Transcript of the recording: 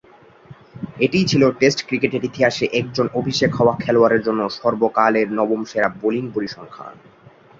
এটিই ছিল টেস্ট ক্রিকেটের ইতিহাসে একজন অভিষেক হওয়া খেলোয়াড়ের জন্য সর্বকালের নবম সেরা বোলিং পরিসংখ্যান।